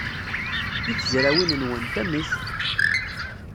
I tezrawin-nwent, amek?